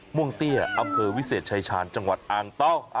ม่วงเตี้ยอำเภอวิเศษชายชาญจังหวัดอ่างต้อง